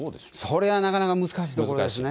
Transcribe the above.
それはなかなか難しいところですね。